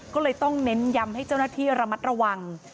ก็เลยต้องเน้นย้ำให้เจ้าหน้าที่ระมัดระวัง